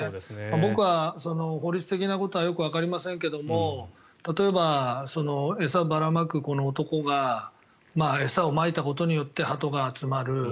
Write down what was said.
僕は法律的なことはよくわかりませんけども例えば、餌をばらまくこの男が餌をまいたことによってハトが集まる。